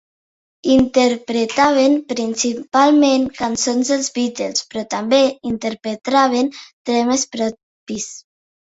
Interpretaven principalment cançons dels Beatles, però també interpretaven temes propis.